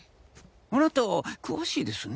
あなた詳しいですね。